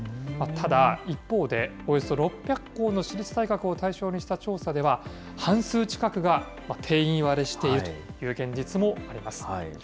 ただ、一方でおよそ６００校の私立大学を対象にした調査では、半数近くが定員割れしているという現実もあります。